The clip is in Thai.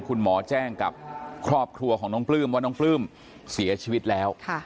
คุณหมอแจ้งกับครอบครัวของน้องปลื้มว่าน้องปลื้มเสียชีวิตแล้ว